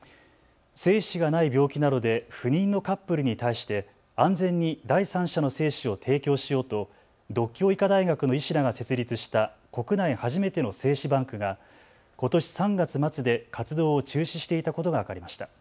精子がない病気などで不妊のカップルに対して安全に第三者の精子を提供しようと獨協医科大学の医師らが設立した国内初めての精子バンクがことし３月末で活動を中止していたことが分かりました。